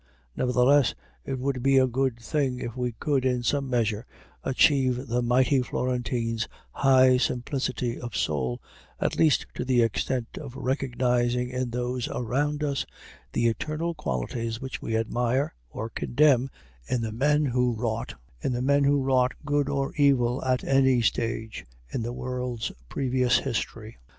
Nevertheless, it would be a good thing if we could, in some measure, achieve the mighty Florentine's high simplicity of soul, at least to the extent of recognizing in those around us the eternal qualities which we admire or condemn in the men who wrought good or evil at any stage in the world's previous history.